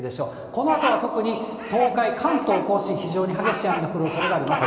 このあとは特に東海、関東甲信、非常に激しい雨の降るおそれがあります。